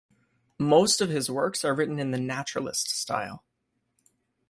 Most of his works are written in the Naturalist style.